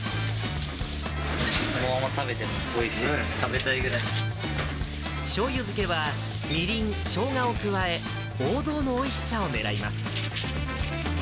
このまま食べてもおいしいでしょうゆ漬けはみりん、しょうがを加え、王道のおいしさをねらいます。